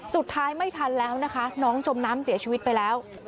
สุดท้ายไม่ทันแล้วนะคะน้องจมน้ำเสียชีวิตไปแล้ว